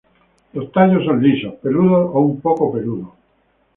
Los tallos son lisos, peludos o un poco peludo.